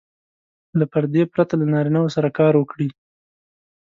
له پردې پرته له نارینه وو سره کار وکړي.